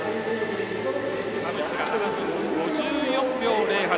田渕が７分５４秒０８。